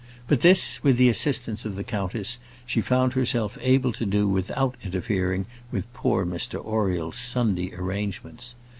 But this, with the assistance of the countess, she found herself able to do without interfering with poor Mr Oriel's Sunday arrangements.